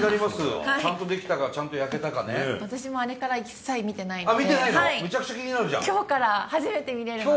私もあれから一切見てないので見てないの！？